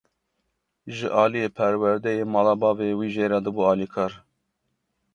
Ji aliyê perwerdeyê mala bavê wî jê re dibû alîkar.